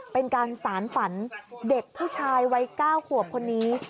เป็นการสารฝันเด็กผู้ชายวัย๙ขวบคนนี้